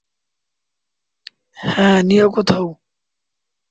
হ্যাঁ, নিও কোথায়?